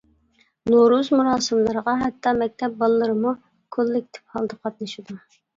نورۇز مۇراسىملىرىغا ھەتتا مەكتەپ بالىلىرىمۇ كوللېكتىپ ھالدا قاتنىشىدۇ.